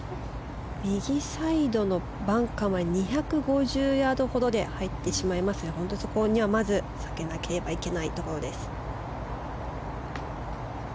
右サイドのバンカーまで２５０ヤードほどで入ってしまいますので、そこはまず避けなければいけないところです。